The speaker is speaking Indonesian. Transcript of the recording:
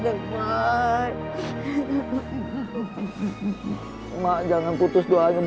alhamdulillah ma ikut senang ma